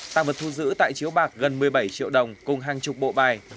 tăng vật thu giữ tại chiếu bạc gần một mươi bảy triệu đồng cùng hàng chục bộ bài